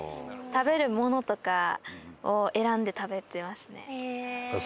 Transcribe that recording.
食べるものとかを選んで食べてますね。